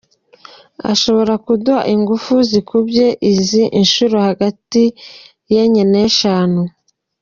Ashobora kuduha ingufu zikubye izi inshuro hagati y’enye n’eshanu.